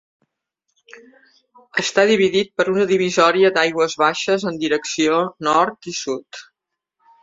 Està dividit per una divisòria d'aigües baixes en direcció nord i sud.